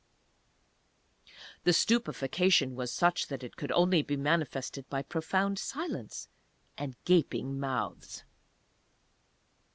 The stupefaction was such that it could only be manifested by profound silence, and gaping mouths.